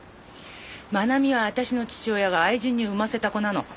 真奈美は私の父親が愛人に産ませた子なの。